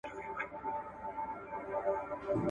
تر توان پورته لګښت مه کوئ.